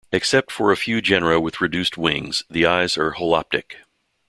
Except for a few genera with reduced wings, the eyes are holoptic.